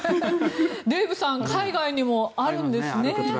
デーブさん海外にもあるんですね。